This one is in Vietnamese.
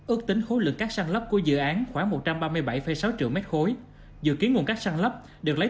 ước tính khối lượng các săn lấp của dự án khoảng một trăm ba mươi bảy sáu triệu m ba dự kiến nguồn các săn lấp được lấy